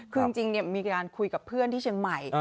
คือจริงมีการคุยกับเพื่อนที่เชียงใหม่